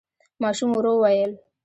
ماشوم ورو وويل: